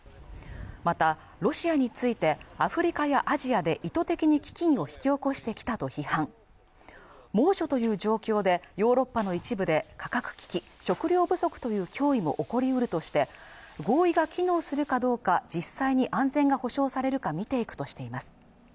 またロシアについてアフリカやアジアで意図的に飢饉を引き起こしてきたと批判猛暑という状況でヨーロッパの一部で価格危機、食糧不足という脅威も起こりうるとして合意が機能するかどうか実際に安全が保証されるか見ていくとしています